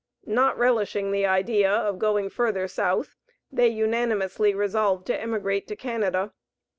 Not relishing the idea of going further South they unanimously resolved to emigrate to Canada.